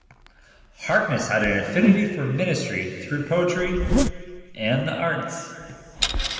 Harkness had an affinity for ministry through poetry and the arts.